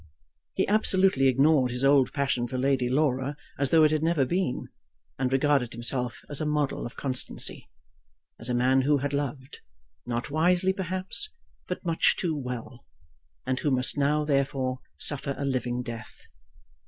He absolutely ignored his old passion for Lady Laura as though it had never been, and regarded himself as a model of constancy, as a man who had loved, not wisely perhaps, but much too well, and who must now therefore suffer a living death.